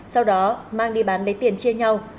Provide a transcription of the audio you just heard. sau đó mang đi bán lấy tiền chia nhau